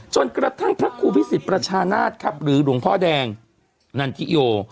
กระทั่งพระครูพิสิทธิประชานาศครับหรือหลวงพ่อแดงนันทิโย